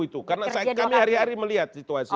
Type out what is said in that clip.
gak usah ragu itu karena kami hari hari melihat situasi